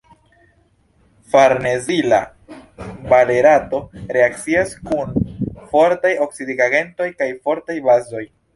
Farnezila valerato reakcias kun fortaj oksidigagentoj kaj fortaj bazoj.